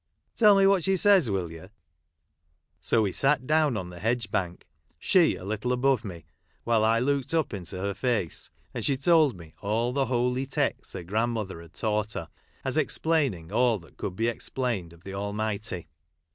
" Tell me what she says, will you 1 " So we sat down on the hedge bank, she a little above me, while I looked up into her face, and she told me all the holy texts her grand mother had taught her, as explaining all that could be explained of the Almighty.